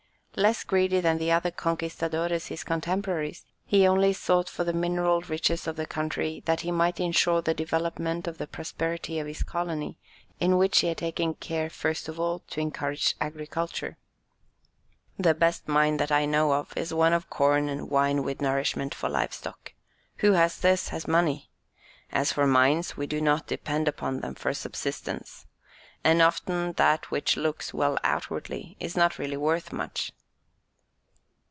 Less greedy than the other "conquistadores" his contemporaries, he only sought for the mineral riches of the country that he might ensure the development of the prosperity of his colony, in which he had taken care first of all to encourage agriculture. "The best mine that I know of, is one of corn and wine with nourishment for livestock. Who has this, has money. As for mines, we do not depend upon them for subsistence. And often that which looks well outwardly is not really worth much."